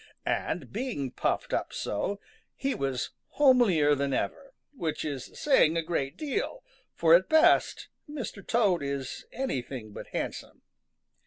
And being puffed up so, he was homelier than ever, which is saying a great deal, for at best Mr. Toad is anything but handsome.